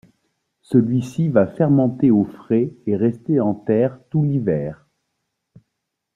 Celui-ci va fermenter au frais et rester en terre tout l'hiver.